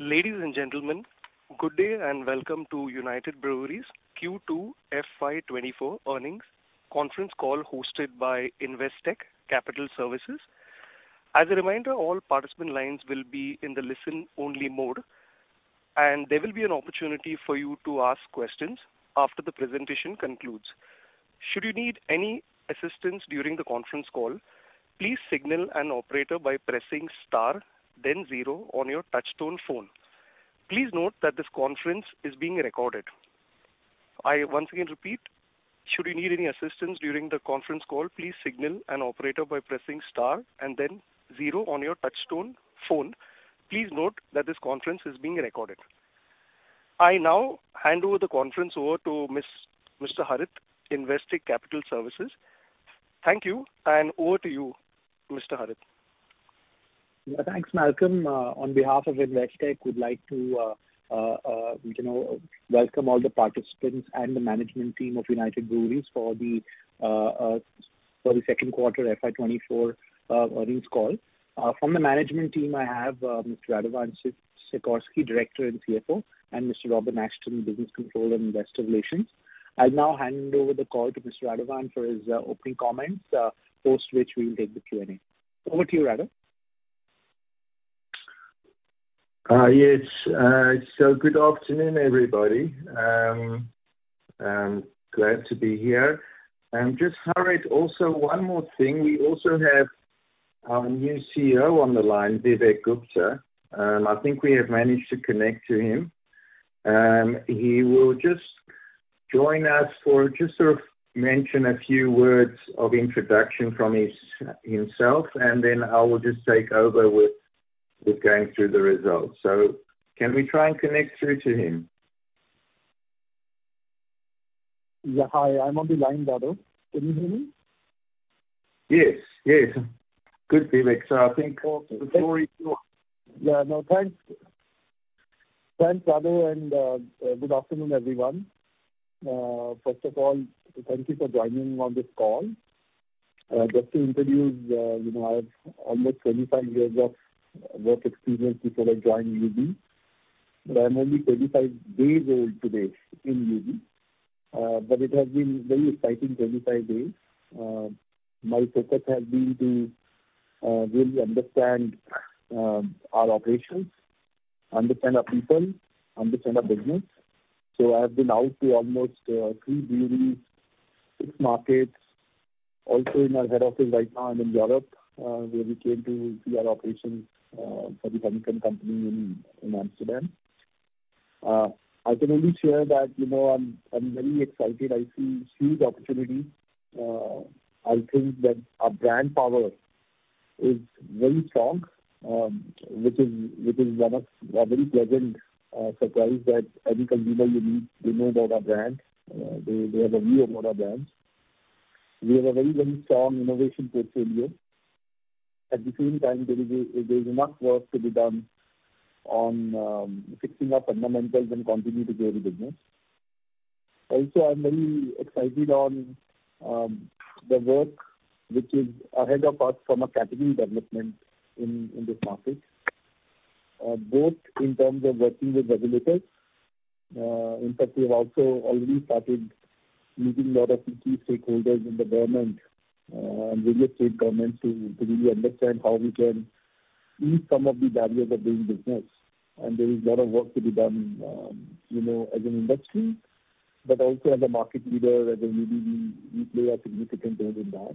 Ladies and gentlemen, good day and welcome to United Breweries Q2 FY 2024 earnings conference call hosted by Investec Capital Services. As a reminder, all participant lines will be in the listen-only mode, and there will be an opportunity for you to ask questions after the presentation concludes. Should you need any assistance during the conference call, please signal an operator by pressing star then zero on your touchtone phone. Please note that this conference is being recorded. I once again repeat, should you need any assistance during the conference call, please signal an operator by pressing star and then zero on your touchtone phone. Please note that this conference is being recorded. I now hand over the conference over to Mr. Harit, Investec Capital Services. Thank you, and over to you, Mr. Harit. Yeah, thanks, Malcolm. On behalf of Investec, we'd like to, you know, welcome all the participants and the management team of United Breweries for the second quarter FY 2024 earnings call. From the management team, I have Mr. Radovan Sikorsky, Director and CFO, and Mr. Robert Ashton, Business Controller and Investor Relations. I'll now hand over the call to Mr. Radovan for his opening comments, post which we'll take the Q&A. Over to you, Rado. Yes. Good afternoon, everybody. I'm glad to be here. Just, Harit, also one more thing, we also have our new CEO on the line, Vivek Gupta. I think we have managed to connect to him. He will just join us for just sort of mention a few words of introduction from himself, and then I will just take over with going through the results. Can we try and connect through to him? Yeah. Hi, I'm on the line, Rado. Can you hear me? Yes, yes. Good, Vivek. I think the story- Yeah, no, thanks. Thanks, Rado, and good afternoon, everyone. First of all, thank you for joining me on this call. Just to introduce, you know, I have almost 25 years of work experience before I joined UB, but I'm only 25 days old today in UB. It has been very exciting 25 days. My focus has been to really understand our operations, understand our people, understand our business. I have been out to almost three breweries, six markets. Also, in our head office right now, I'm in Europe, where we came to see our operations for the Heineken company in Amsterdam. I can only share that, you know, I'm very excited. I see huge opportunity. I think that our brand power is very strong, which is one of a very pleasant surprise that every consumer you meet, they know about our brand. They have a view about our brand. We have a very, very strong innovation portfolio. At the same time, there is enough work to be done on fixing our fundamentals and continue to grow the business. Also, I'm very excited on the work which is ahead of us from a category development in this market, both in terms of working with regulators. In fact, we have also already started meeting a lot of the key stakeholders in the government and various state governments to really understand how we can ease some of the barriers of doing business. There is a lot of work to be done, you know, as an industry, but also as a market leader, and then maybe we play a significant role in that.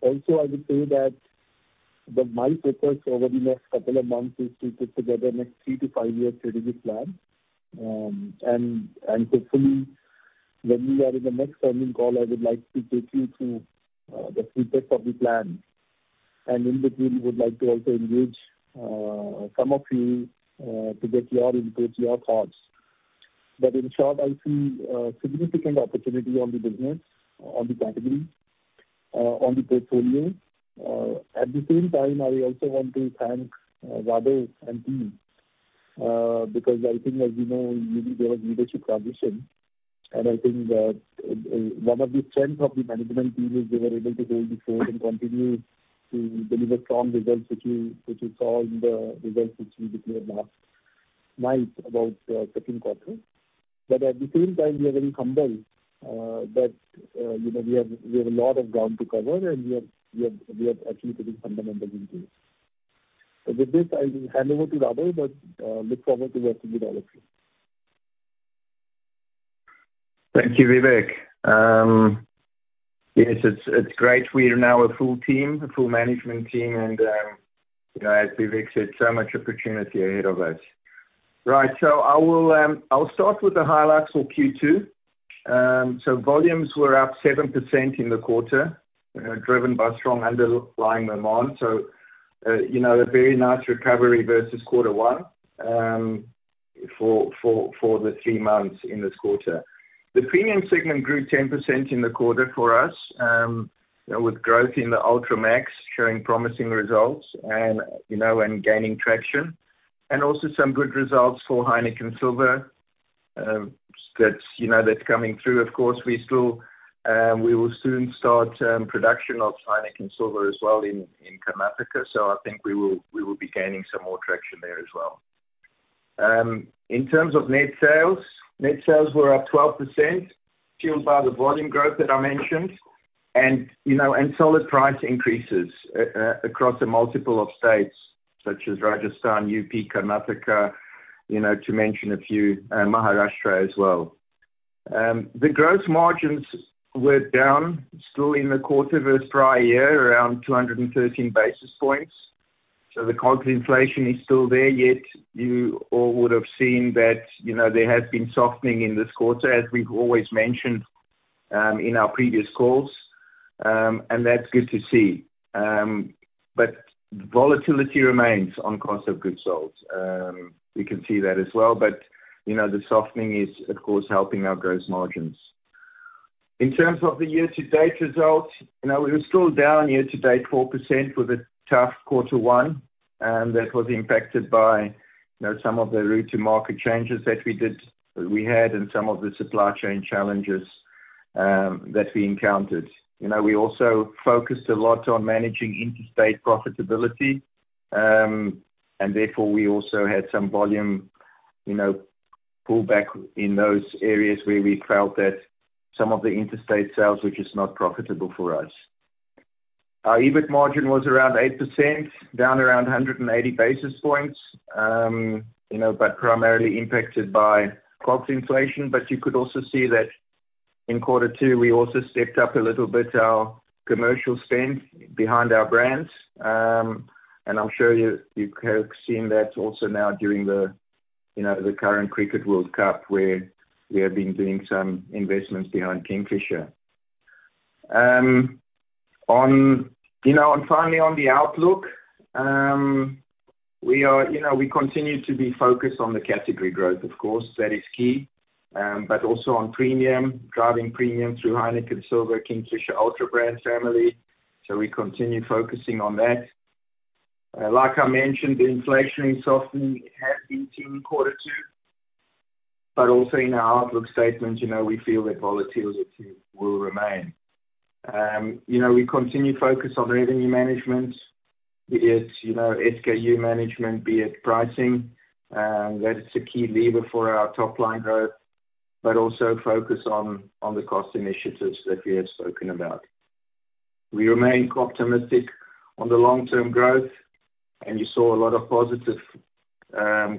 Also, I would say that my focus over the next couple of months is to put together the next three- to five-year strategic plan. Hopefully, when we are in the next earnings call, I would like to take you through the pretext of the plan. In between, we would like to also engage some of you to get your input, your thoughts. In short, I see significant opportunity on the business, on the category, on the portfolio. At the same time, I also want to thank Rado and team because I think, as you know, maybe there was leadership transition, and I think that one of the strengths of the management team is they were able to hold the fort and continue to deliver strong results, which you saw in the results, which we declared last night about second quarter. At the same time, we are very humble that, you know, we have a lot of ground to cover, and we are actually putting fundamentals into it. With this, I will hand over to Rado, but look forward to working with all of you. Thank you, Vivek. Yes, it's great. We are now a full team, a full management team, and, you know, as Vivek said, so much opportunity ahead of us. Right. I will start with the highlights for Q2. Volumes were up 7% in the quarter, driven by strong underlying demand. You know, a very nice recovery versus quarter one for the three months in this quarter. The premium segment grew 10% in the quarter for us, you know, with growth in the Ultra Max showing promising results and, you know, gaining traction, and also some good results for Heineken Silver. That's, you know, coming through, of course, we will soon start production of Heineken Silver as well in Karnataka, so I think we will be gaining some more traction there as well. In terms of net sales, net sales were up 12%, fueled by the volume growth that I mentioned, and, you know, solid price increases across a multiple of states such as Rajasthan, U.P., Karnataka, you know, to mention a few, and Maharashtra as well. The gross margins were down still in the quarter versus prior year, around 213 basis points, so the cost inflation is still there, yet you all would have seen that, you know, there has been softening in this quarter, as we've always mentioned in our previous calls. That's good to see. Volatility remains on cost of goods sold. We can see that as well, but, you know, the softening is, of course, helping our gross margins. In terms of the year-to-date results, you know, we were still down year-to-date 4% with a tough Quarter 1, and that was impacted by, you know, some of the route to market changes that we had, and some of the supply chain challenges that we encountered. You know, we also focused a lot on managing interstate profitability, and therefore, we also had some volume, you know, pullback in those areas where we felt that some of the interstate sales, which is not profitable for us. Our EBIT margin was around 8%, down around 180 basis points, you know, but primarily impacted by COGS inflation. You could also see that in quarter two, we also stepped up a little bit our commercial spend behind our brands. I'm sure you have seen that also now during the, you know, the current Cricket World Cup, where we have been doing some investments behind Kingfisher. You know, finally, on the outlook, we are, you know, we continue to be focused on the category growth, of course, that is key, but also on premium, driving premium through Heineken Silver, Kingfisher Ultra brand family, so we continue focusing on that. Like I mentioned, the inflation is softening. It has been seen in quarter two, but also in our outlook statement, you know, we feel that volatility will remain. You know, we continue focus on revenue management, be it, you know, SKU management, be it pricing, that is a key lever for our top-line growth, but also focus on the cost initiatives that we have spoken about. We remain optimistic on the long-term growth, and you saw a lot of positive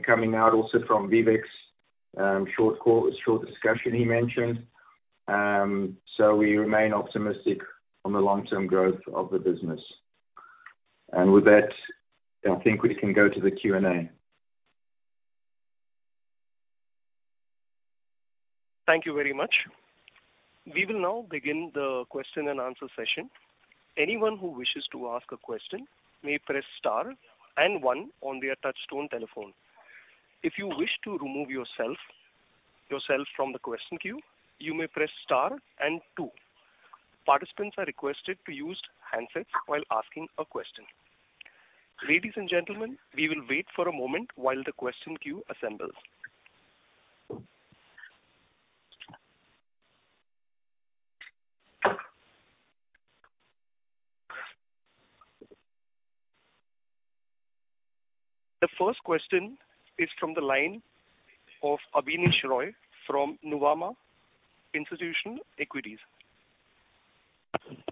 coming out also from Vivek's short discussion he mentioned. We remain optimistic on the long-term growth of the business. With that, I think we can go to the Q&A. Thank you very much. We will now begin the question and answer session. Anyone who wishes to ask a question may press star and one on their touch-tone telephone. If you wish to remove yourself from the question queue, you may press star and two. Participants are requested to use handsets while asking a question. Ladies and gentlemen, we will wait for a moment while the question queue assembles. The first question is from the line of Abneesh Roy from Nuvama Institutional Equities.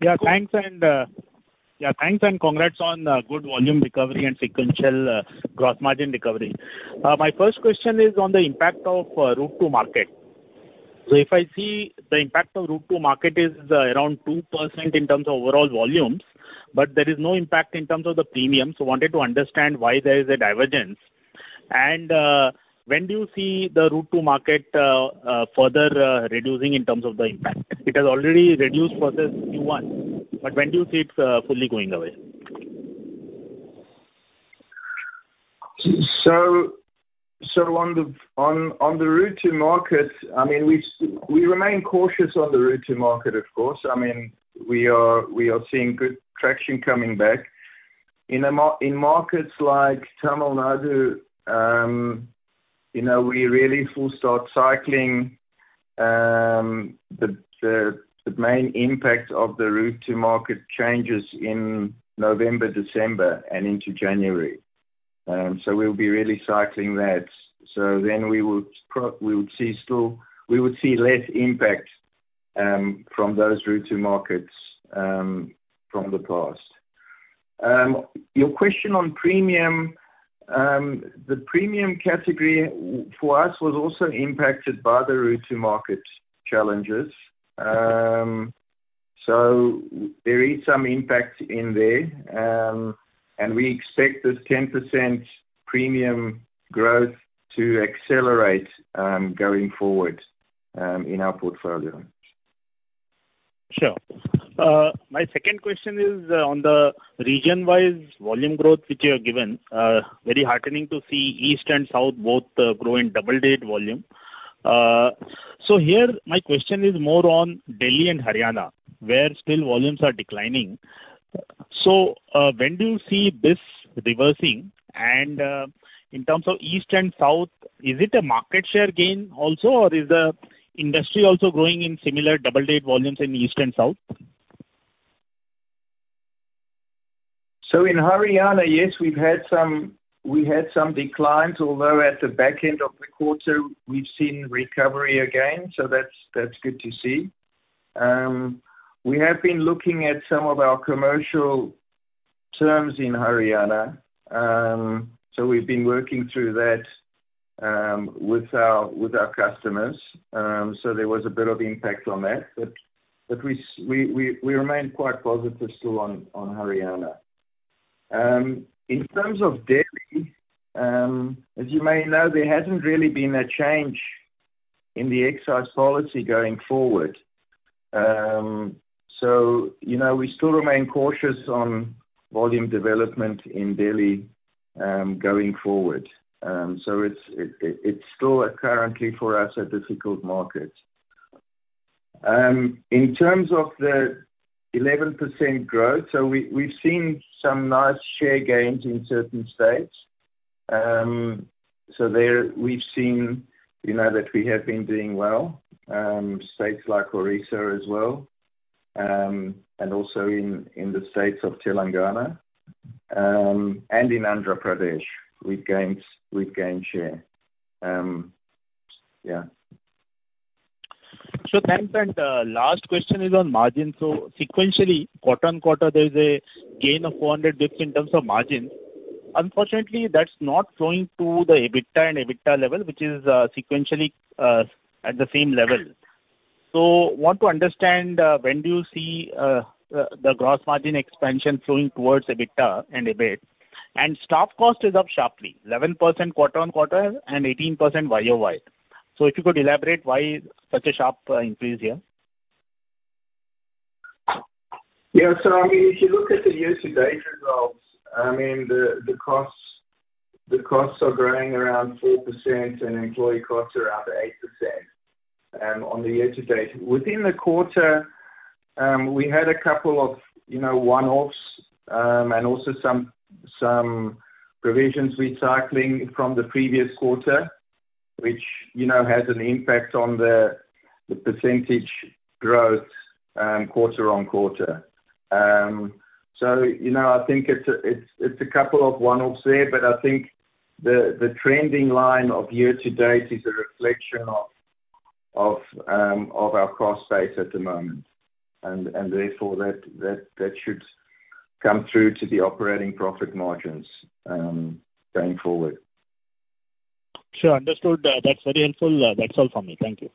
Yeah, thanks and congrats on good volume recovery and sequential gross margin recovery. My first question is on the impact of route to market. If I see the impact of route to market is around 2% in terms of overall volumes, but there is no impact in terms of the premium, so wanted to understand why there is a divergence. When do you see the route to market further reducing in terms of the impact? It has already reduced for this Q1, but when do you see it fully going away? On the route to market, I mean, we remain cautious on the route to market, of course. I mean, we are seeing good traction coming back. In markets like Tamil Nadu, you know, we really full start cycling the main impact of the route to market changes in November, December and into January. We'll be really cycling that. Then we would see still less impact from those route to markets from the past. Your question on premium, the premium category for us was also impacted by the route to market challenges. We expect this 10% premium growth to accelerate going forward in our portfolio. Sure. My second question is on the region-wise volume growth, which you have given. Very heartening to see East and South both grow in double-digit volume. Here, my question is more on Delhi and Haryana, where still volumes are declining. When do you see this reversing? In terms of East and South, is it a market share gain also, or is the industry also growing in similar double-digit volumes in East and South? In Haryana, yes, we had some declines, although at the back end of the quarter, we've seen recovery again, so that's good to see. We have been looking at some of our commercial terms in Haryana. We've been working through that with our customers. There was a bit of impact on that. We remain quite positive still on Haryana. In terms of Delhi, as you may know, there hasn't really been a change in the excise policy going forward. You know, we still remain cautious on volume development in Delhi going forward. It's still currently for us a difficult market. In terms of the 11% growth, so we've seen some nice share gains in certain states. There we've seen, you know, that we have been doing well, states like Odisha as well, and also in the states of Telangana and in Andhra Pradesh, we've gained share. Yeah. Thanks. Last question is on margin. Sequentially, quarter-on-quarter, there is a gain of 400 basis points in terms of margin. Unfortunately, that's not flowing to the EBITDA and EBITDA level, which is sequentially at the same level. Want to understand when do you see the gross margin expansion flowing towards EBITDA and EBIT? Staff cost is up sharply, 11% quarter-on-quarter and 18% Y-o-Y. If you could elaborate, why such a sharp increase here? Yeah. I mean, if you look at the year-to-date results, I mean, the costs are growing around 4% and employee costs are up 8% on the year-to-date. Within the quarter, we had a couple of, you know, one-offs and also some provisions recycling from the previous quarter, which, you know, has an impact on the percentage growth quarter-on-quarter. You know, I think it's a couple of one-offs there, but I think the trending line of year-to-date is a reflection of our cost base at the moment, and therefore, that should come through to the operating profit margins going forward. Sure. Understood. That's very helpful. That's all for me. Thank you.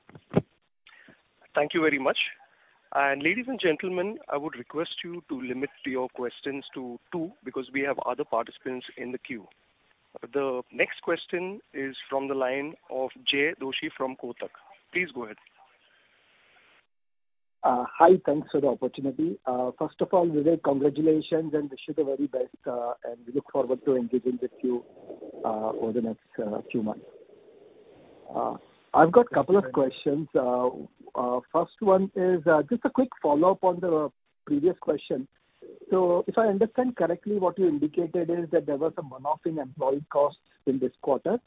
Thank you very much. Ladies and gentlemen, I would request you to limit your questions to two, because we have other participants in the queue. The next question is from the line of Jay Doshi from Kotak. Please go ahead. Hi. Thanks for the opportunity. First of all, Vivek, congratulations and wish you the very best, and we look forward to engaging with you over the next few months. I've got couple of questions. First one is just a quick follow-up on the previous question. If I understand correctly, what you indicated is that there was some one-off in employee costs in this quarter.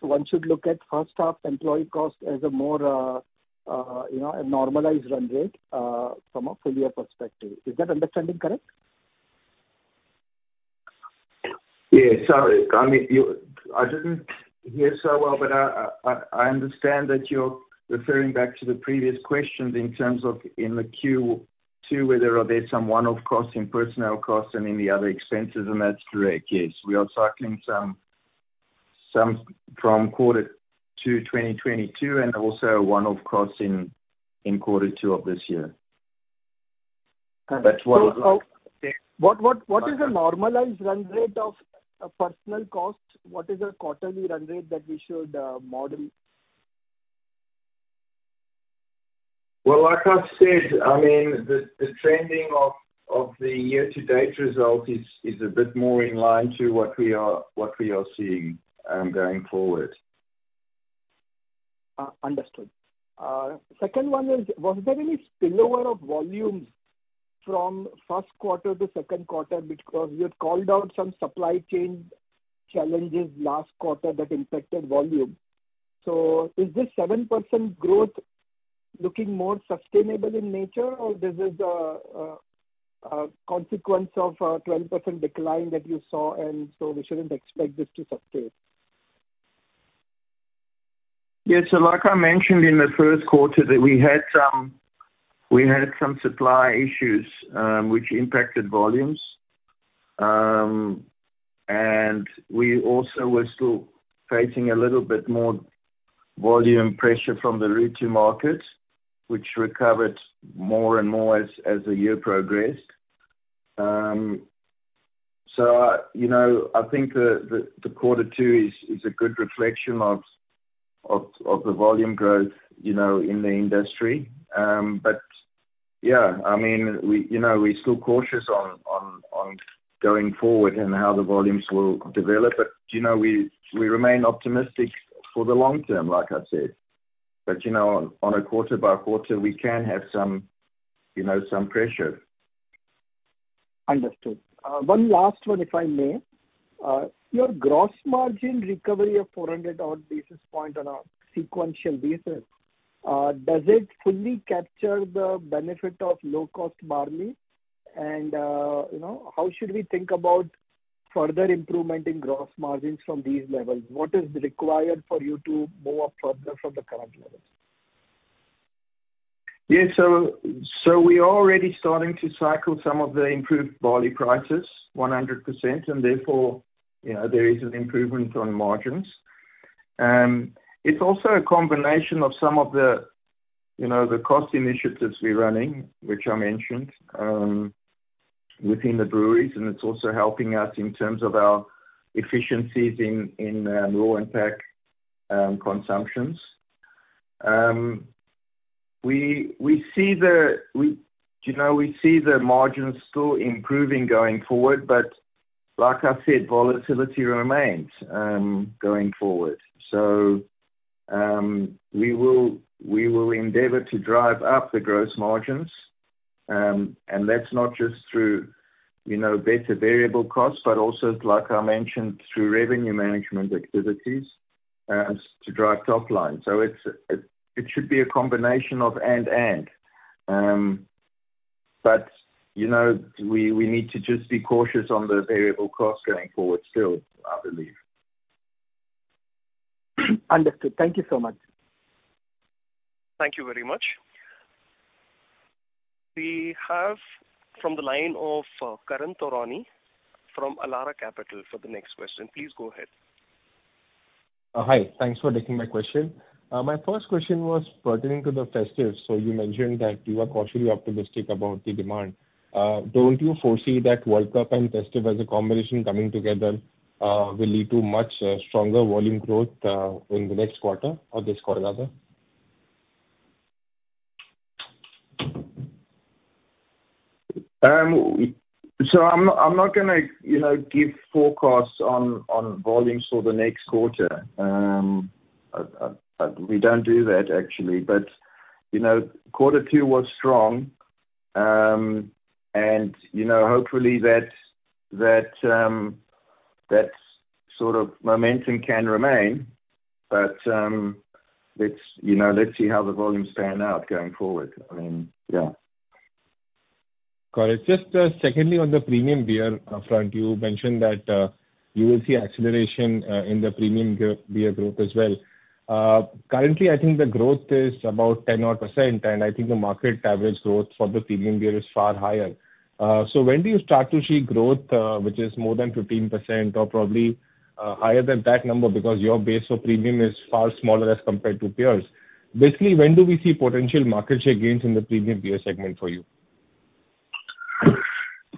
One should look at first half employee cost as a more, you know, a normalized run rate from a full year perspective. Is that understanding correct? Yeah. Sorry, I mean, I didn't hear so well, but I understand that you're referring back to the previous questions in terms of in the Q2, whether are there some one-off costs in personnel costs and in the other expenses, and that's correct, yes. We are cycling some from Quarter 2 2022, and also a one-off cost in Quarter 2 of this year. What is the normalized run rate of personnel costs? What is the quarterly run rate that we should model? Well, like I've said, I mean, the trending of the year-to-date result is a bit more in line to what we are seeing going forward. Understood. Second one is, was there any spillover of volumes from first quarter to second quarter because you had called out some supply chain challenges last quarter that impacted volume? Is this 7% growth looking more sustainable in nature, or this is a consequence of a 12% decline that you saw, and so we shouldn't expect this to sustain? Yes, like I mentioned in the first quarter, that we had some supply issues, which impacted volumes. We also were still facing a little bit more volume pressure from the retail market, which recovered more and more as the year progressed. You know, I think the Quarter 2 is a good reflection of the volume growth, you know, in the industry. Yeah, I mean, you know, we're still cautious on going forward and how the volumes will develop, but, you know, we remain optimistic for the long term, like I said. But, you know, on a quarter-by-quarter, we can have some, you know, pressure. Understood. One last one, if I may. Your gross margin recovery of 400-odd basis point on a sequential basis, does it fully capture the benefit of low-cost barley? You know, how should we think about further improvement in gross margins from these levels? What is required for you to move further from the current levels? Yeah. We are already starting to cycle some of the improved barley prices 100%, and therefore, you know, there is an improvement on margins. It's also a combination of some of the, you know, cost initiatives we're running, which I mentioned within the breweries, and it's also helping us in terms of our efficiencies in raw and pack consumptions. We, you know, see the margins still improving going forward, but like I said, volatility remains going forward. We will endeavor to drive up the gross margins, and that's not just through, you know, better variable costs, but also, like I mentioned, through revenue management activities to drive top line. It should be a combination of and. You know, we need to just be cautious on the variable costs going forward still, I believe. Understood. Thank you so much. Thank you very much. We have from the line of Karan Taurani from Elara Capital for the next question. Please go ahead. Hi. Thanks for taking my question. My first question was pertaining to the festive. You mentioned that you are cautiously optimistic about the demand. Don't you foresee that World Cup and festive as a combination coming together will lead to much stronger volume growth in the next quarter or this quarter rather? Is "yeah" spelled correctly? Yes. *Final check on "I'm, I'm"*: "I'm not gonna". Correct. *Final check on "on, on"*: "on volumes". Correct. *Final check on "that, that, um, that"*: "that sort of momentum". Correct. *Final check on "um, uh, uh, uh"*: Removed. Correct. *Final check on "So" and "Bu Got it. Just secondly, on the premium beer front, you mentioned that you will see acceleration in the premium beer growth as well. Currently, I think the growth is about 10 odd %, and I think the market average growth for the premium beer is far higher. When do you start to see growth which is more than 15% or probably higher than that number? Because your base of premium is far smaller as compared to peers. Basically, when do we see potential market share gains in the premium beer segment for you?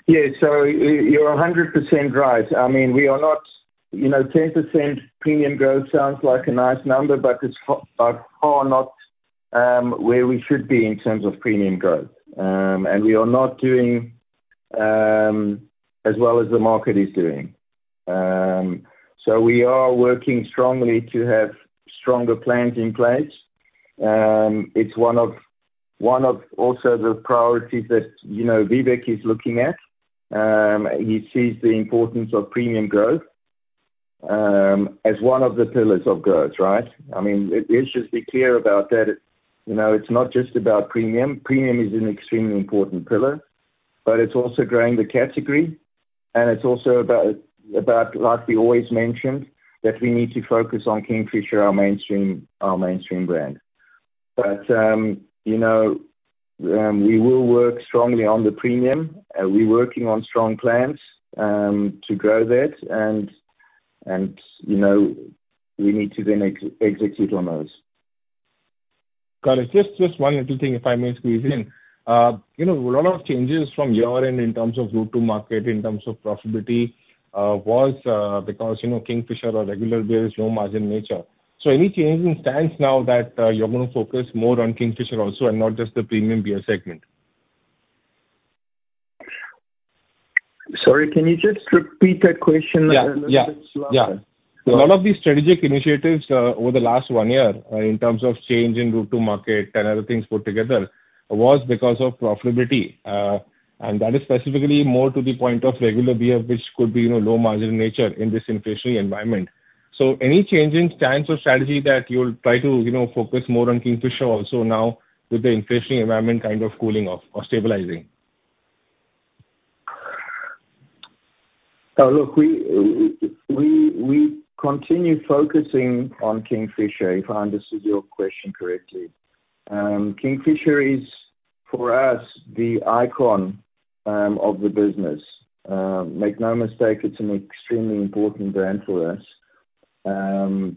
Yeah. You're 100% right. I mean, we are not. You know, 10% premium growth sounds like a nice number, but it's by far not where we should be in terms of premium growth. We are not doing as well as the market is doing. We are working strongly to have stronger plans in place. It's one of also the priorities that, you know, Vivek is looking at. He sees the importance of premium growth as one of the pillars of growth, right? I mean, let's just be clear about that. You know, it's not just about premium. Premium is an extremely important pillar, but it's also growing the category, and it's also about, like we always mentioned, that we need to focus on Kingfisher, our mainstream brand. You know, we will work strongly on the premium. We're working on strong plans to grow that, and, you know, we need to then execute on those. Just one little thing, if I may squeeze in. You know, a lot of changes from your end in terms of route to market, in terms of profitability, was because, you know, Kingfisher or regular beer is low-margin nature. Any change in stance now that you're gonna focus more on Kingfisher also, and not just the premium beer segment? Sorry, can you just repeat that question? Yeah, yeah, yeah. So- A lot of these strategic initiatives over the last one year in terms of change in route to market and other things put together was because of profitability, and that is specifically more to the point of regular beer, which could be, you know, low-margin nature in this inflationary environment. Any change in stance or strategy that you'll try to, you know, focus more on Kingfisher also now with the inflationary environment kind of cooling off or stabilizing? Look, we continue focusing on Kingfisher, if I understood your question correctly. Kingfisher is, for us, the icon of the business. Make no mistake, it's an extremely important brand for us, and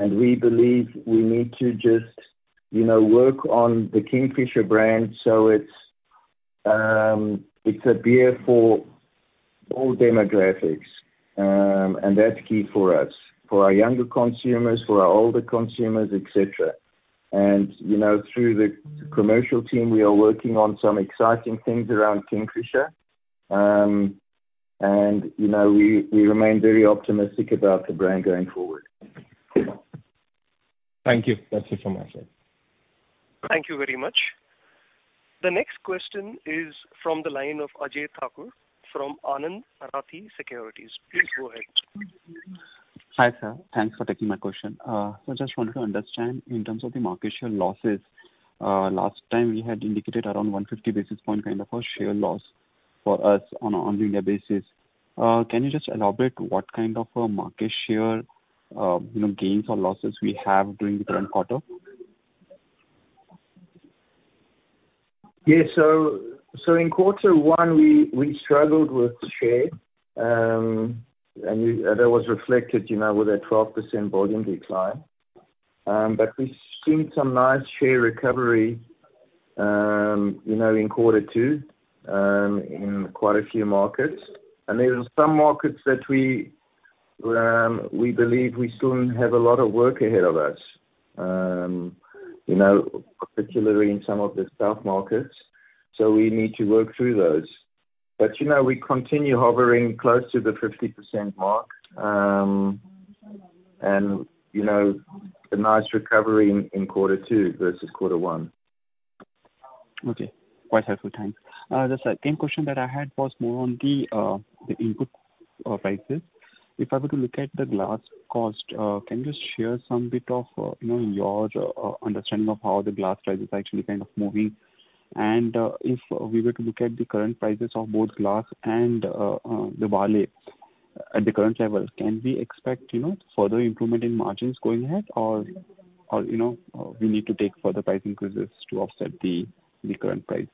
we believe we need to just, you know, work on the Kingfisher brand so it's a beer for all demographics. That's key for us, for our younger consumers, for our older consumers, et cetera. You know, through the commercial team, we are working on some exciting things around Kingfisher. You know, we remain very optimistic about the brand going forward. Thank you. That's it for myself. Thank you very much. The next question is from the line of Ajay Thakur from Anand Rathi Securities. Please go ahead. Hi, sir. Thanks for taking my question. I just wanted to understand, in terms of the market share losses, last time we had indicated around 150 basis points kind of a share loss for us on a yearly basis. Can you just elaborate what kind of a market share, you know, gains or losses we have during the current quarter? Yeah. In Quarter 1, we struggled with share. That was reflected, you know, with a 12% volume decline. But we've seen some nice share recovery, you know, in Quarter 2, in quite a few markets. There are some markets that we believe we still have a lot of work ahead of us, you know, particularly in some of the south markets, so we need to work through those. But, you know, we continue hovering close to the 50% mark and, you know, a nice recovery in Quarter 2 versus Quarter 1. Okay. Quite helpful, thanks. The second question that I had was more on the input prices. If I were to look at the glass cost, can you just share some bit of, you know, your understanding of how the glass price is actually kind of moving? If we were to look at the current prices of both glass and the barley at the current level, can we expect, you know, further improvement in margins going ahead, or, you know, we need to take further price increases to offset the current price?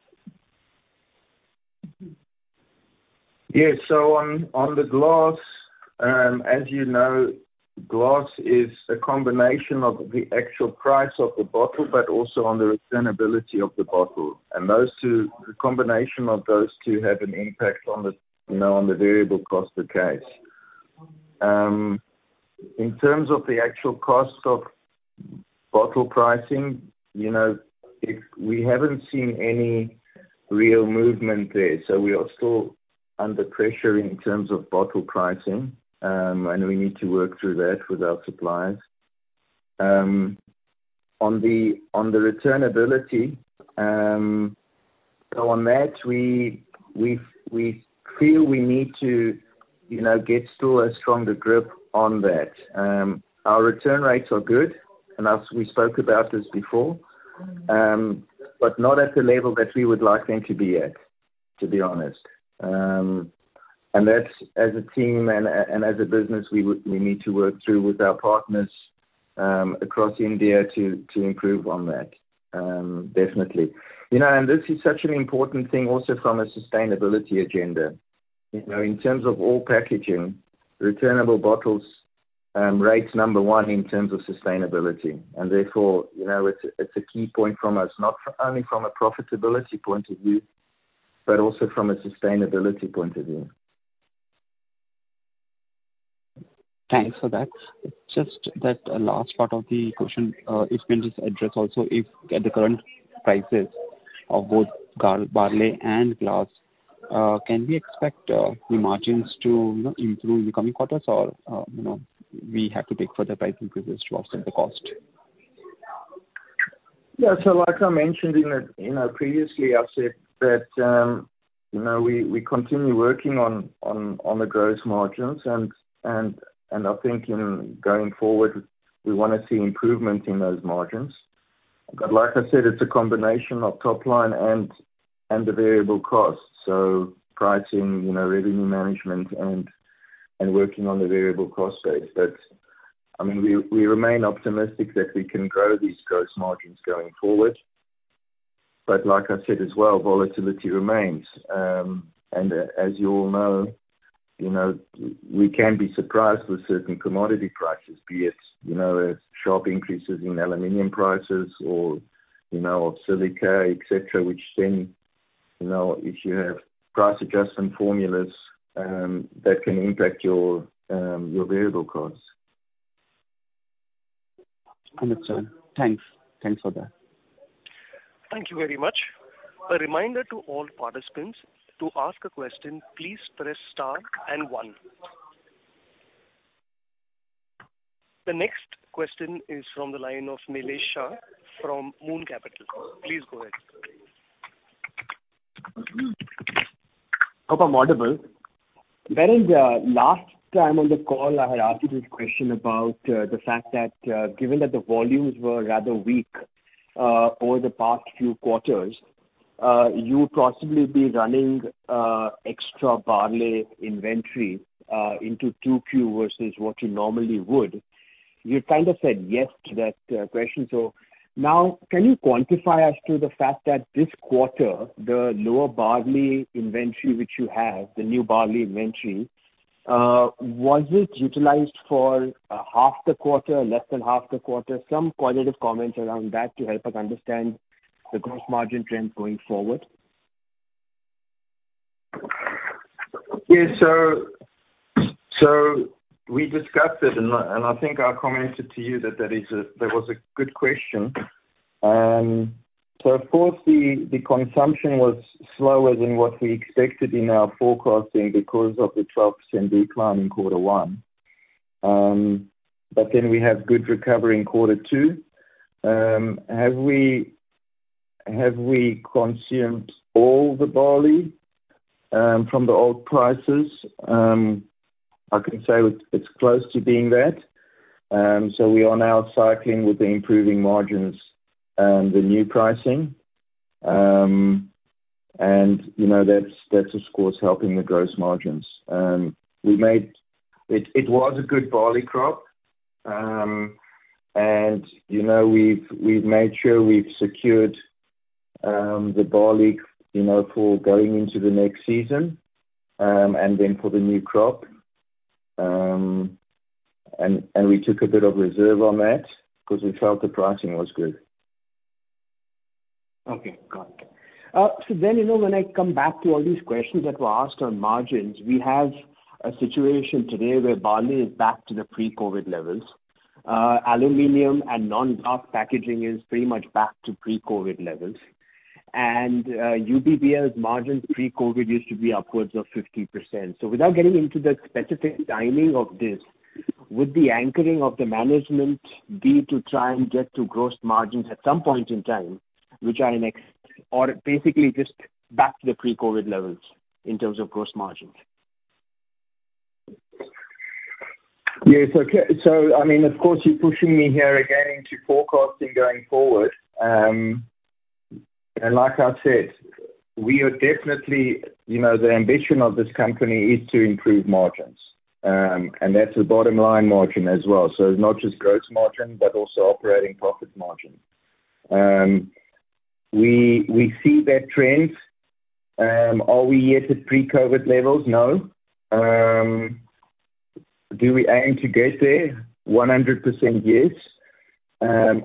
Yeah. On the glass, as you know, glass is a combination of the actual price of the bottle, but also on the returnability of the bottle. Those two, the combination of those two have an impact on the, you know, variable cost per case. In terms of the actual cost of bottle pricing, you know, we haven't seen any real movement there, so we are still under pressure in terms of bottle pricing, and we need to work through that with our suppliers. On the returnability, on that, we feel we need to, you know, get still a stronger grip on that. Our return rates are good, and as we spoke about this before, but not at the level that we would like them to be at, to be honest. That's as a team and as a business, we need to work through with our partners across India to improve on that, definitely. You know, this is such an important thing also from a sustainability agenda. You know, in terms of all packaging, returnable bottles rates number one in terms of sustainability, and therefore, you know, it's a key point from us, not only from a profitability point of view, but also from a sustainability point of view. Thanks for that. Just that last part of the question, if you can just address also, if at the current prices of both barley and glass, can we expect the margins to, you know, improve in the coming quarters, or, you know, we have to take further price increases to offset the cost? Like I mentioned, you know, previously, I said that, you know, we continue working on the gross margins, and I think in going forward, we wanna see improvement in those margins. Like I said, it's a combination of top line and the variable costs, so pricing, you know, revenue management and working on the variable cost base. I mean, we remain optimistic that we can grow these gross margins going forward. Like I said as well, volatility remains. As you all know, you know, we can be surprised with certain commodity prices, be it, you know, sharp increases in aluminum prices or, you know, silica, et cetera, which then, you know, if you have price adjustment formulas, that can impact your variable costs. Understood. Thanks. Thanks for that. Thank you very much. A reminder to all participants, to ask a question, please press star and one. The next question is from the line of Nilai Shah from Moon Capital. Please go ahead. Hope I'm audible. Well, in the last time on the call, I had asked you this question about the fact that given that the volumes were rather weak over the past few quarters, you would possibly be running extra barley inventory into 2Q versus what you normally would. You kind of said yes to that question. Now, can you quantify as to the fact that this quarter, the lower barley inventory which you have, the new barley inventory, was it utilized for half the quarter, less than half the quarter? Some qualitative comments around that to help us understand the gross margin trends going forward. We discussed it, and I think I commented to you that that was a good question. Of course, the consumption was slower than what we expected in our forecasting because of the 12% decline in Quarter 1. We have good recovery in Quarter 2. Have we consumed all the barley from the old prices? I can say it's close to being that. We are now cycling with the improving margins and the new pricing. You know, that's of course helping the gross margins. It was a good barley crop, and, you know, we've made sure we've secured the barley, you know, for going into the next season and then for the new crop. We took a bit of reserve on that because we felt the pricing was good. Okay, got it. You know, when I come back to all these questions that were asked on margins, we have a situation today where barley is back to the pre-COVID levels. Aluminum and non-glass packaging is pretty much back to pre-COVID levels. UBBL's margins pre-COVID used to be upwards of 50%. Without getting into the specific timing of this, would the anchoring of the management be to try and get to gross margins at some point in time, which are basically just back to the pre-COVID levels in terms of gross margins? hyphenated. *Wait, "Do we aim to get there? 100%, yes.":* "100%" - numeric.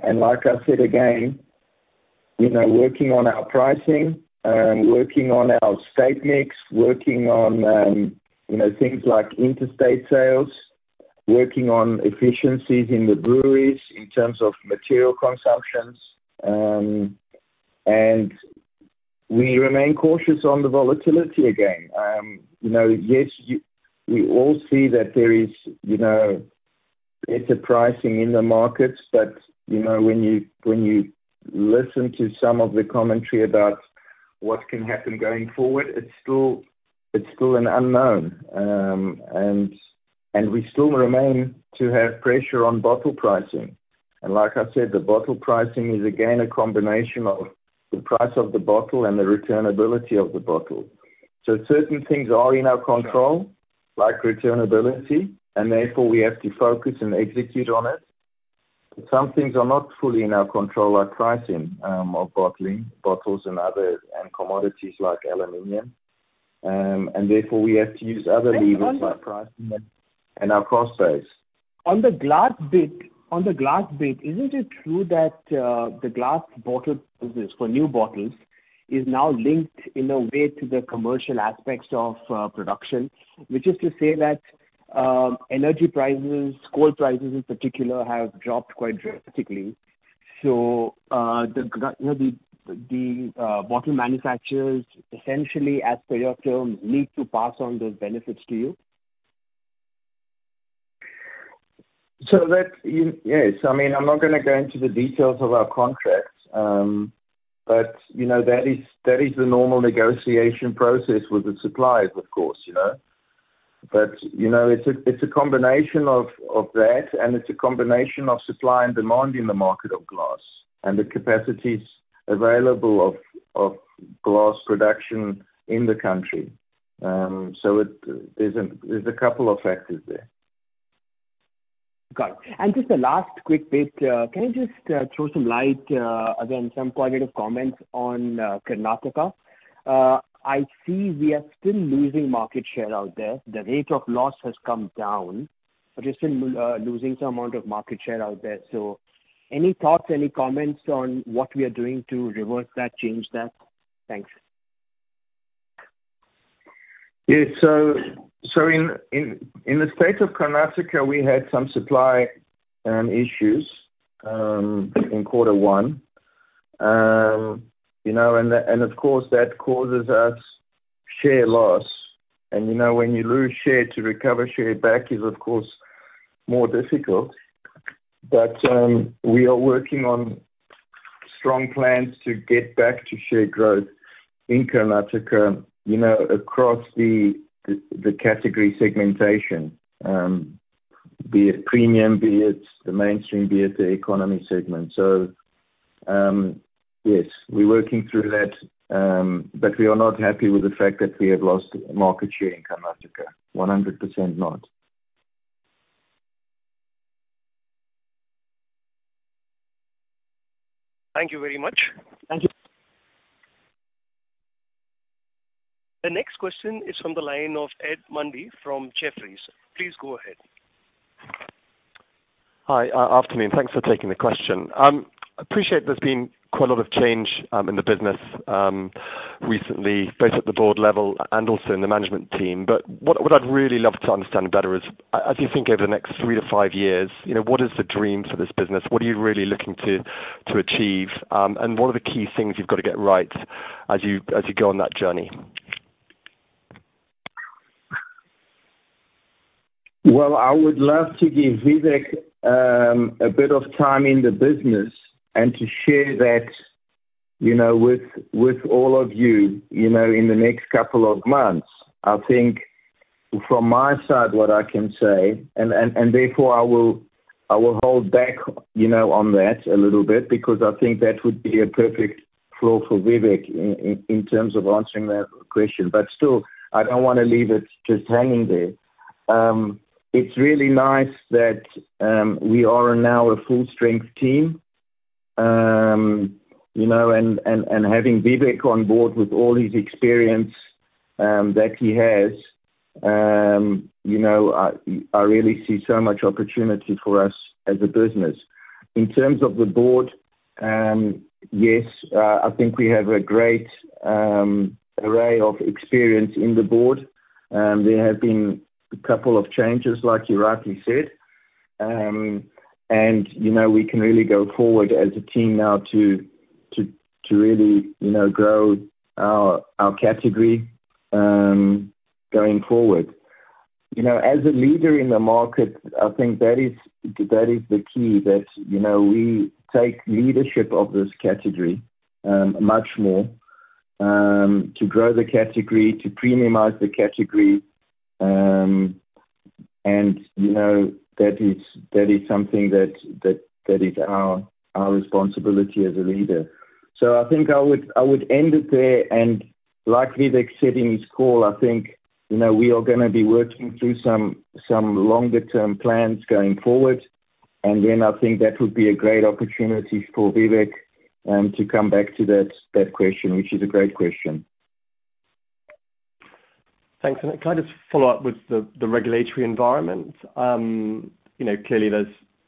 *Wait, "Like I said again, you know, working on our pricing, working on our state mix, working on, you know, things like interstate sales, working on efficiencies in the breweries in terms of material consumptions.":* "Like I said again" - no "And". *Wait, "We remain cautious on the volatility again.":* "We remain cautious" - no "And". *Wait, "material consumptions":* "consumptions" - plural. *Wait, "interstate sales":* "interstate sales" - lowercase. *Wait, "state mix":* "state mix" - lowercase. *Wait, "operating profit margin":* "operating profit margin" - lowercase. *Wait, "gros You know, yes, we all see that there is, you know, better pricing in the markets, but, you know, when you listen to some of the commentary about what can happen going forward, it's still an unknown. We still remain to have pressure on bottle pricing. Like I said, the bottle pricing is again, a combination of the price of the bottle and the returnability of the bottle. Certain things are in our control, like returnability, and therefore, we have to focus and execute on it. Some things are not fully in our control, like pricing of bottling, bottles and other, and commodities like aluminum. Therefore, we have to use other levers like pricing and our cost base. On the glass bit, isn't it true that the glass bottle business for new bottles is now linked in a way to the commercial aspects of production? Which is to say that energy prices, coal prices in particular, have dropped quite drastically. So, you know, the bottle manufacturers, essentially, as per your term, need to pass on those benefits to you? That, yes, I mean, I'm not gonna go into the details of our contracts, but, you know, that is the normal negotiation process with the suppliers, of course, you know? You know, it's a combination of that, and it's a combination of supply and demand in the market of glass and the capacities available of glass production in the country. There's a couple of factors there. Got it. Just a last quick bit, can you just throw some light again, some qualitative comments on Karnataka? I see we are still losing market share out there. The rate of loss has come down, but we're still losing some amount of market share out there. Any thoughts, any comments on what we are doing to reverse that, change that? Thanks. Yes. In the state of Karnataka, we had some supply issues in quarter one. You know, and of course, that causes us share loss. You know, when you lose share, to recover share back is, of course, more difficult. We are working on strong plans to get back to share growth in Karnataka, you know, across the category segmentation, be it premium, be it the mainstream, be it the economy segment. Yes, we're working through that, but we are not happy with the fact that we have lost market share in Karnataka. 100% not. Thank you very much. Thank you. The next question is from the line of Ed Mundy from Jefferies. Please go ahead. Hi, afternoon. Thanks for taking the question. I appreciate there's been quite a lot of change in the business recently, both at the board level and also in the management team. What I'd really love to understand better is, as you think over the next three to five years, you know, what is the dream for this business? What are you really looking to achieve? What are the key things you've got to get right as you go on that journey? Well, I would love to give Vivek a bit of time in the business and to share that, you know, with all of you, you know, in the next couple of months. I think from my side, what I can say, and therefore I will hold back, you know, on that a little bit, because I think that would be a perfect role for Vivek in terms of answering that question. Still, I don't wanna leave it just hanging there. It's really nice that we are now a full-strength team, you know, and having Vivek on board with all his experience that he has, you know, I really see so much opportunity for us as a business. In terms of the Board, yes, I think we have a great array of experience in the Board. There have been a couple of changes, like you rightly said, and, you know, we can really go forward as a team now to really, you know, grow our category going forward. You know, as a leader in the market, I think that is the key, that, you know, we take leadership of this category much more to grow the category, to premiumize the category. You know, that is something that is our responsibility as a leader. I think I would end it there, and like Vivek said in this call, I think, you know, we are gonna be working through some longer-term plans going forward. I think that would be a great opportunity for Vivek to come back to that question, which is a great question. Thanks. Can I just follow up with the regulatory environment? You know, clearly,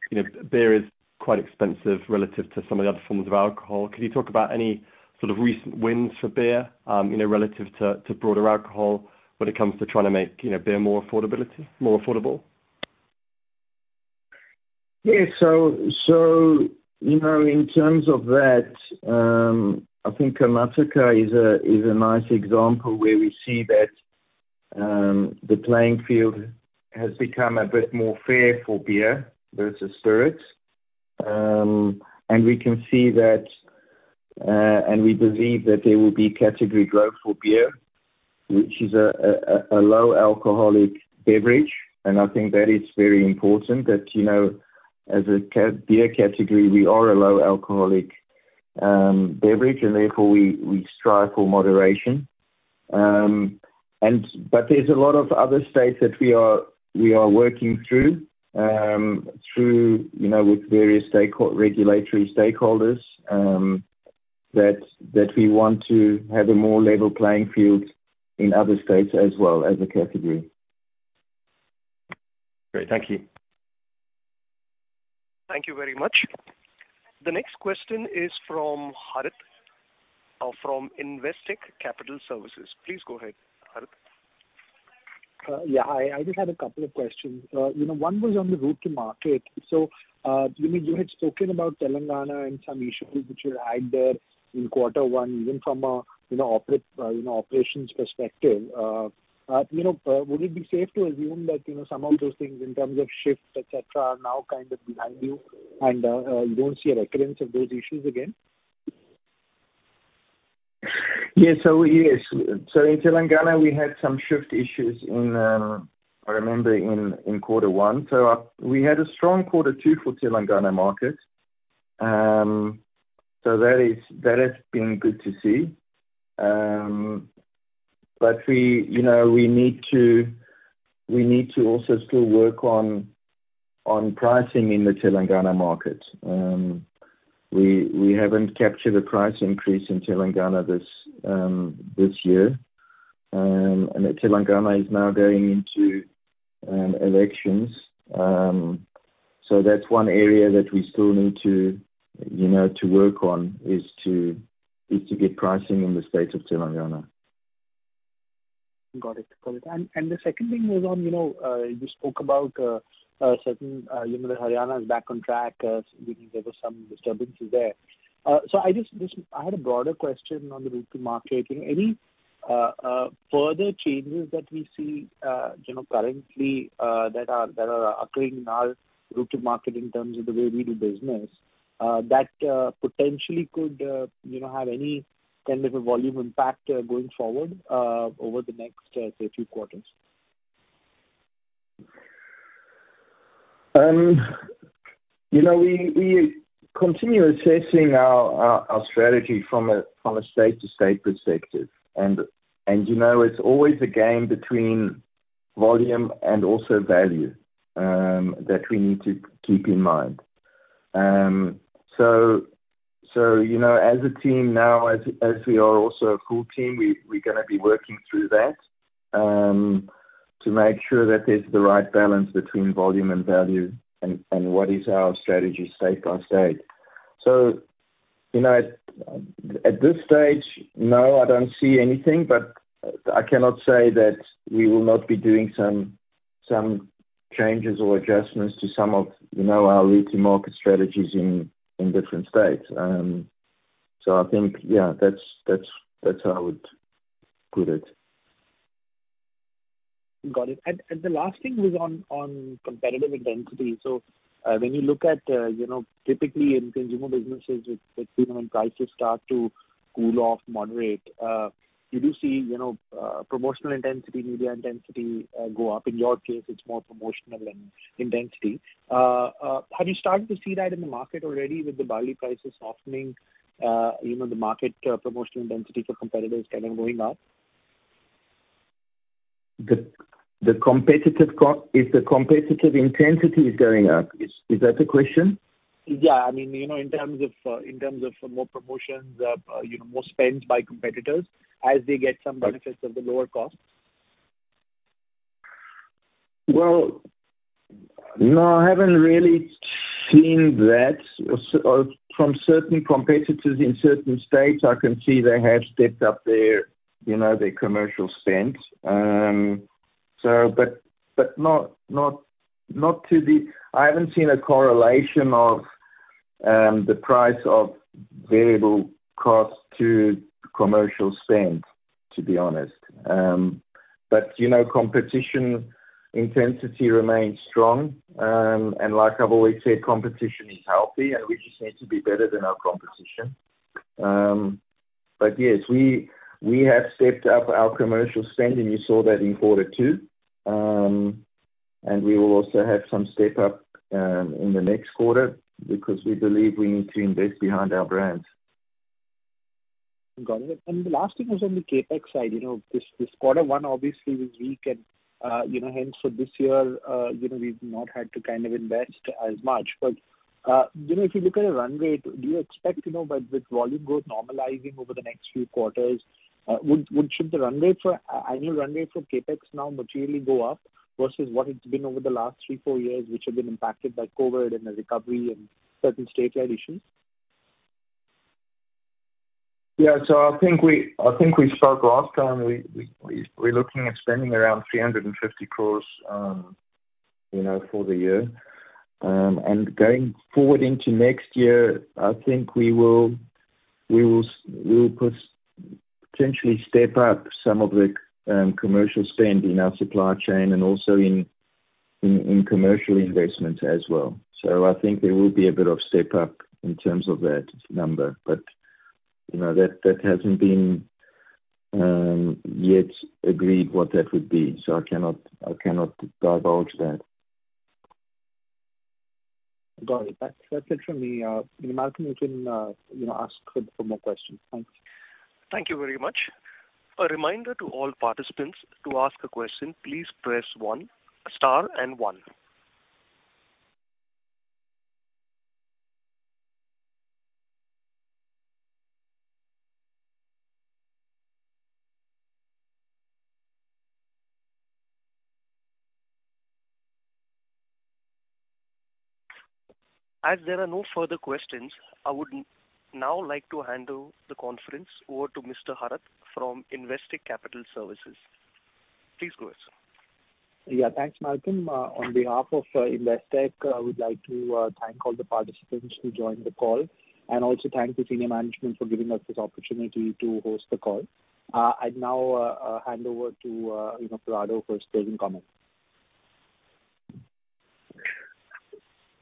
you know, beer is quite expensive relative to some of the other forms of alcohol. Can you talk about any sort of recent wins for beer, you know, relative to broader alcohol when it comes to trying to make, you know, beer more affordable? Yeah. You know, in terms of that, I think Karnataka is a nice example where we see that the playing field has become a bit more fair for beer versus spirits. We can see that and we believe that there will be category growth for beer, which is a low alcoholic beverage. I think that is very important that, you know, as a beer category, we are a low alcoholic beverage, and therefore we strive for moderation. There's a lot of other states that we are working through, you know, with various stakeholder, regulatory stakeholders, that we want to have a more level playing field in other states as well as a category. Great. Thank you. Thank you very much. The next question is from Harit from Investec Capital Services. Please go ahead, Harit. Yeah, hi. I just had a couple of questions. You know, one was on the route to market. You know, you had spoken about Telangana and some issues which you had there in quarter one, even from a, you know, you know, operations perspective. You know, would it be safe to assume that, you know, some of those things in terms of shifts, et cetera, are now kind of behind you and you don't see a recurrence of those issues again? Yeah, yes, in Telangana we had some shift issues in I remember in quarter one, we had a strong quarter two for Telangana market. That is, that has been good to see. But we, you know, we need to also still work on pricing in the Telangana market. We haven't captured the price increase in Telangana this year. Telangana is now going into elections. That's one area that we still need to, you know, to work on, is to get pricing in the state of Telangana. Got it. Got it. The second thing was on, you know, you spoke about certain, you know, Haryana is back on track. There was some disturbances there. I just had a broader question on the route to market. Any further changes that we see, you know, currently, that are occurring in our route to market in terms of the way we do business, that potentially could, you know, have any kind of a volume impact going forward over the next, say, two quarters? You know, we continue assessing our strategy from a state-to-state perspective. You know, it's always a game between volume and also value that we need to keep in mind. You know, as a team now, as we are also a full team, we're gonna be working through that to make sure that there's the right balance between volume and value and what is our strategy state by state. You know, at this stage, no, I don't see anything, but I cannot say that we will not be doing some changes or adjustments to some of, you know, our leading market strategies in different states. I think, yeah, that's how I would put it. Got it. The last thing was on competitive intensity. When you look at, you know, typically in consumer businesses, you know, prices start to cool off, moderate, you do see, you know, promotional intensity, media intensity go up. In your case, it's more promotional and intensity. Have you started to see that in the market already with the barley prices softening, you know, the market promotional intensity for competitors kind of going up? If the competitive intensity is going up, is that the question? Yeah. I mean, you know, in terms of more promotions, you know, more spends by competitors as they get some benefits of the lower costs. Well, no, I haven't really seen that. From certain competitors in certain states, I can see they have stepped up, you know, their commercial spend. I haven't seen a correlation of the price of variable cost to commercial spend, to be honest. You know, competition intensity remains strong, and like I've always said, competition is healthy, and we just need to be better than our competition. Yes, we have stepped up our commercial spend, and you saw that in quarter two. We will also have some step up in the next quarter because we believe we need to invest behind our brands. Got it. The last thing was on the CapEx side. You know, this Quarter 1 obviously was weak and, you know, hence for this year, you know, we've not had to kind of invest as much. You know, if you look at a run rate, do you expect, you know, with volume growth normalizing over the next few quarters, should the annual run rate for CapEx now materially go up versus what it's been over the last three to four years, which have been impacted by COVID and the recovery and certain state-led issues? Yeah. I think we spoke last time, we're looking at spending around 350 crore, you know, for the year. Going forward into next year, I think we will potentially step up some of the commercial spend in our supply chain and also in commercial investments as well. I think there will be a bit of step up in terms of that number. You know, that hasn't been yet agreed what that would be, so I cannot divulge that. Got it. That's it from me. Malcolm, you can, you know, ask for more questions. Thanks. Thank you very much. A reminder to all participants, to ask a question, please press one, star and one. As there are no further questions, I would now like to hand over the conference over to Mr. Harit from Investec Capital Services. Please go ahead, sir. Yeah, thanks, Malcolm. On behalf of Investec, we'd like to thank all the participants who joined the call, and also thank the senior management for giving us this opportunity to host the call. I'd now hand over to, you know, Radovan for his closing comments.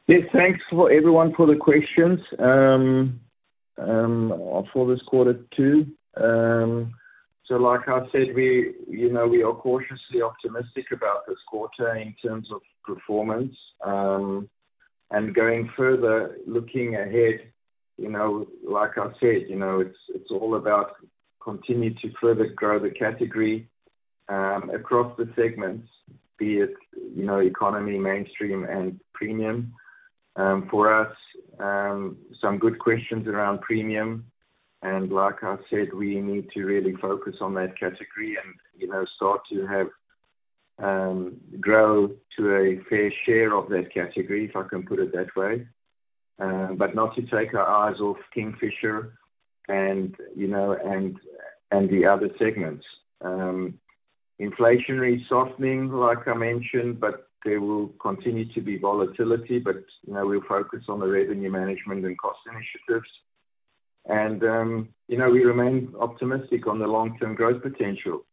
Yes, thanks for everyone for the questions. For this Quarter 2, like I said, we, you know, we are cautiously optimistic about this quarter in terms of performance. Going further, looking ahead, you know, like I said, you know, it's all about continue to further grow the category across the segments, be it, you know, economy, mainstream, and premium. For us, some good questions around premium, and like I said, we need to really focus on that category and, you know, start to have grow to a fair share of that category, if I can put it that way. Not to take our eyes off Kingfisher and, you know, and the other segments. Inflationary softening, like I mentioned, but there will continue to be volatility, but, you know, we'll focus on the revenue management and cost initiatives. You know, we remain optimistic on the long-term growth potential.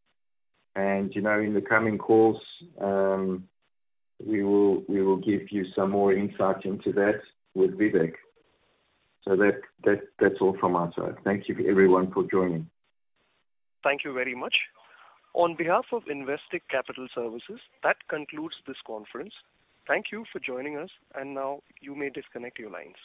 You know, in the coming course, we will give you some more insight into that with Vivek. That's all from our side. Thank you to everyone for joining. Thank you very much. On behalf of Investec Capital Services, that concludes this conference. Thank you for joining us, and now you may disconnect your lines.